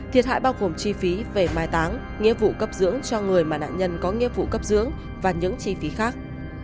thiệt hại bao gồm chi phí về mai táng nghĩa vụ cấp dưỡng cho người mà nạn nhân có nghĩa vụ cấp dưỡng và những chi phí khác